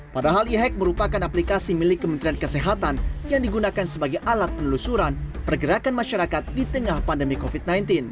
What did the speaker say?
padahal e hack merupakan aplikasi milik kementerian kesehatan yang digunakan sebagai alat penelusuran pergerakan masyarakat di tengah pandemi covid sembilan belas